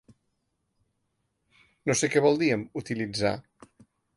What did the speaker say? No sé què vol dir amb ‘utilitzar’.